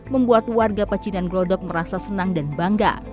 membuat warga pecinan glodok merasa senang dan bangga